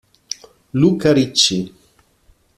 Luca Ricci